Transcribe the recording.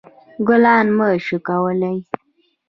ګلان مه شکولوئ